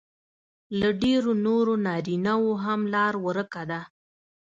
له ډېرو نورو نارینهو هم لار ورکه ده